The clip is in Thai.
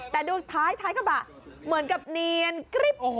แต่ดูท้ายกระบะเหมือนกับเนียนกริ๊บ